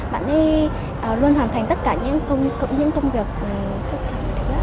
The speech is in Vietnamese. bạn ấy luôn hoàn thành tất cả những công việc tất cả mọi thứ ạ